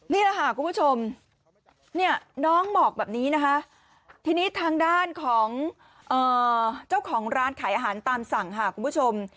นี่แหละค่ะคุณผู้ชมเนี่ยน้องบอกแบบนี้นะคะทีนี้ทางด้านของเจ้าของร้านขายอาหารตามสั่งค่ะคุณผู้ชม